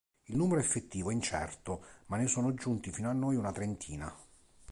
Il numero effettivo è incerto, ma ne sono giunti fino a noi una trentina.